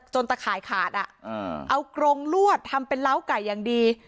ตะข่ายขาดเอากรงลวดทำเป็นล้าไก่อย่างดี